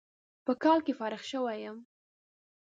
په کال کې فارغ شوى يم.